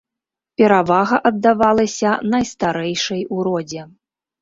Перавага аддавалася найстарэйшай у родзе.